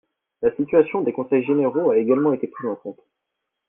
La situation des conseils généraux a également été prise en compte.